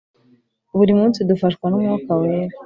Buri munsi dufashwa n’umwuka wera